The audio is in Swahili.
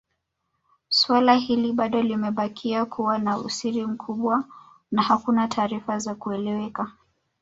Swala hili bado limebakia kuwa na usiri mkubwa na hakuna taarifa za kueleweka